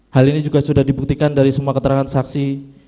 hal ini juga sudah dibuktikan dari semua keterangan saksi